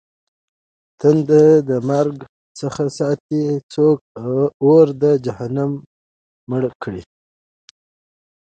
تنده د مرگ څه ساتې؟! څوک اور د جهنم مړ کړي؟!